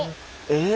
え！